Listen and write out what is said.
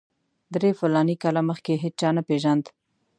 درې فلاني کاله مخکې هېچا نه پېژاند.